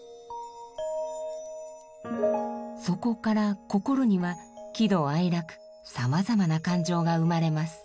そこから心には喜怒哀楽さまざまな感情が生まれます。